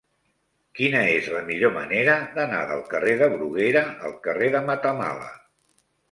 Quina és la millor manera d'anar del carrer de Bruguera al carrer de Matamala?